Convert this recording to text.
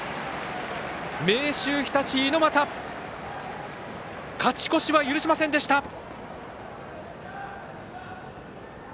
明秀日立、猪俣勝ち越しは許しませんでした。